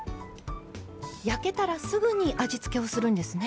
焼けたらすぐに味付けをするんですね。